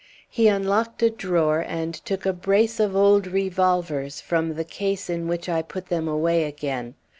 He unlocked a drawer and took a brace of old revolvers from the case in which I put them away again.